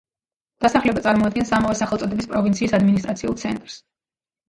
დასახლება წარმოადგენს ამავე სახელწოდების პროვინციის ადმინისტრაციულ ცენტრს.